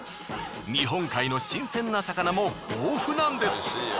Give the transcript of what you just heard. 日本海の新鮮な魚も豊富なんです。